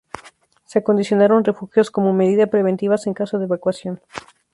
Se acondicionaron refugios como medida preventivas en caso de evacuación.